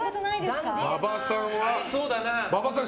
馬場さん